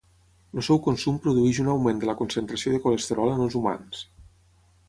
El seu consum produeix un augment de la concentració de colesterol en els humans.